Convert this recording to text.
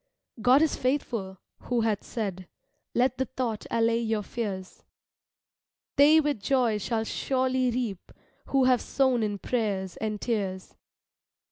God is faithful, who hath said, (Let the thought allay your fears,) "They with joy shall surely reap, Who have sown in prayers and tears."